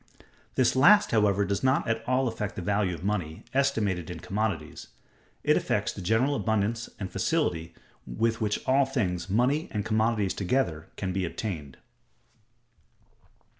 This last, however, does not at all affect the value of money, estimated in commodities; it affects the general abundance and facility with which all things, money and commodities together, can be obtained.